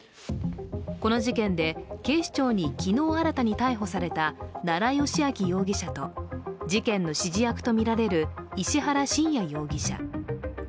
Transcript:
この事件で警視庁に昨日新たに逮捕された奈良幸晃容疑者と事件の指示役とみられる石原信也容疑者。